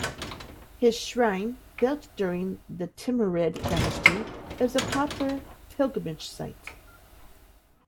His shrine, built during the Timurid Dynasty, is a popular pilgrimage site.